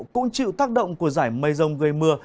cũng chịu tác động của giải mây rông gây mưa